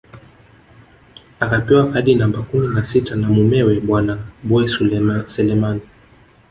Akapewa kadi namba kumi na sita na mumewe bwana Boi Selemani